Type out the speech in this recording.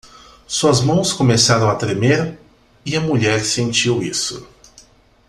Suas mãos começaram a tremer? e a mulher sentiu isso.